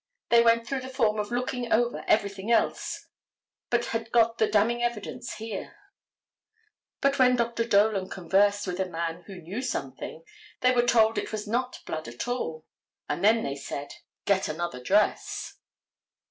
They went through the form of looking over everything else, but had got the damning evidence here; but when Dr. Dolan conversed with a man who knew something, they were told it was not blood at all, and then they said: "Get another dress."